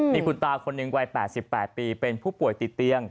มีคุณตาคนหนึ่งวัย๘๘ปีเป็นผู้ป่วยติดเตียง